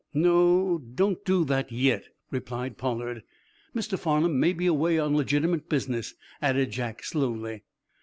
"No, don't do that yet," replied Pollard. "Mr. Farnum may be away on legitimate business," added Jack slowly.